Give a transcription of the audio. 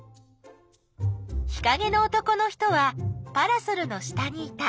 日かげの男の人はパラソルの下にいた。